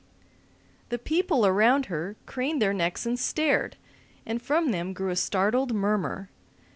The people around her craned their necks and stared, and from them grew a startled murmur.